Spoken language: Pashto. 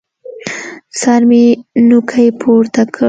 سر مې نوکى پورته کړ.